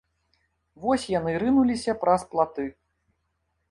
Вось яны рынуліся праз платы.